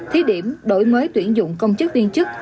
thí điểm đổi mới tuyển dụng công chức viên chức